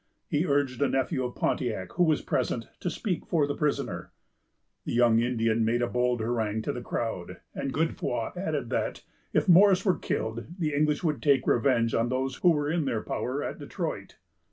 He urged a nephew of Pontiac, who was present, to speak for the prisoner. The young Indian made a bold harangue to the crowd; and Godefroy added that, if Morris were killed, the English would take revenge on those who were in their power at Detroit.